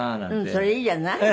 それいいじゃない？